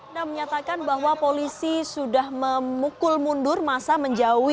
anda menyatakan bahwa polisi sudah memukul mundur masa menjauhi